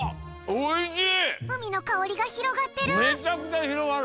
おいしい！